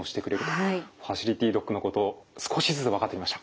ファシリティドッグのこと少しずつ分かってきました。